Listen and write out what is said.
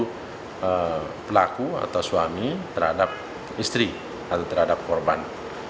untuk pelaku atau suami terhadap istri atau terhadap korban